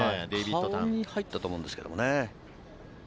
顔に入ったと思うんですけどね。